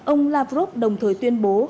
ông lavrov đồng thời tuyên bố